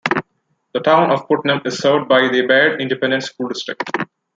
The town of Putnam is served by the Baird Independent School District.